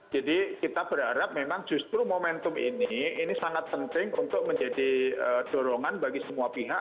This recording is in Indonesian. jadi kita berharap memang justru momentum ini ini sangat penting untuk menjadi dorongan bagi semua pihak